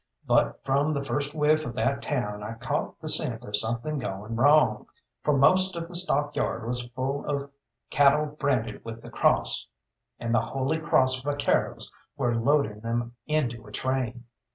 But from the first whiff of that town I caught the scent of something going wrong, for most of the stock yard was full of cattle branded with a cross, and the Holy Cross vaqueros were loading them into a train.